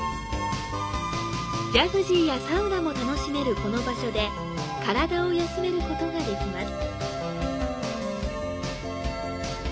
ジャグジーやサウナも楽しめるこの場所で身体を休めることが出来ます。